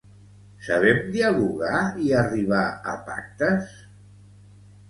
Sabem dialogar i arribar a pactes?.